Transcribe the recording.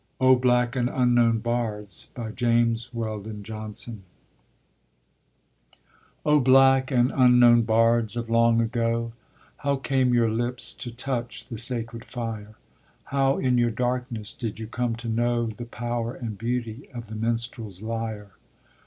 O BLACK AND UNKNOWN BARDS JAMES WELDON JOHNSON O black and unknown bards of long ago, How came your lips to touch the sacred fire? How, in your darkness, did you come to know The power and beauty of the minstrel's lyre?